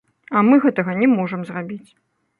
А мы гэтага не можам зрабіць.